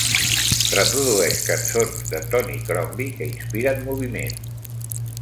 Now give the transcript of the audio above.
Reprodueix cançons de Tony Crombie que inspiren moviment